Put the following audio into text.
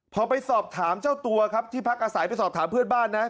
พอไปสอบถามเจ้าตัวครับที่พักอาศัยไปสอบถามเพื่อนบ้านนะ